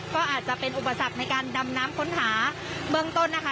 ก็อาจจะเป็นอุปสรรคในการดำน้ำค้นหาเบื้องต้นนะคะ